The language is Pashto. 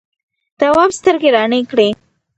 تواب سترګې رڼې کړې.